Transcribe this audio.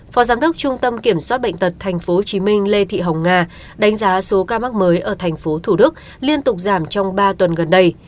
phó giám đốc trung tâm kiểm soát bệnh tật tp hcm lê thị hồng nga đánh giá số ca mắc mới ở tp thủ đức liên tục giảm trong ba tuần gần đây